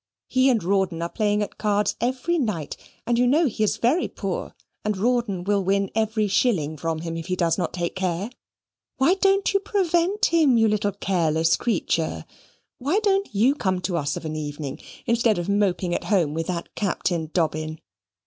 He and Rawdon are playing at cards every night, and you know he is very poor, and Rawdon will win every shilling from him if he does not take care. Why don't you prevent him, you little careless creature? Why don't you come to us of an evening, instead of moping at home with that Captain Dobbin?